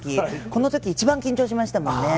このとき一番緊張しましたもんね。